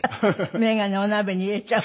眼鏡お鍋に入れちゃう。